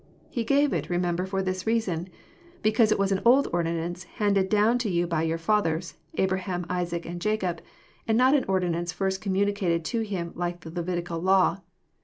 He gave it, remember, for this reason : because it was an old ordinance, handed down to him by your fathers, Abraham, Isaac, and Jacob, and not an ordinance first com municated to him like the Levitical law.